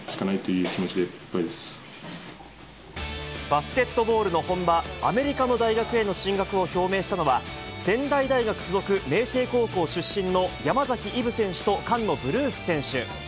バスケットボールの本場、アメリカの大学への進学を表明したのは、仙台大学附属明成高校出身の山崎一渉選手と菅野ブルース選手。